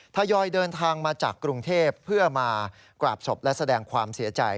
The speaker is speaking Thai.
ทยอยเดินทางมาจากกรุงเทพเพื่อมากราบศพและแสดงความเสียใจ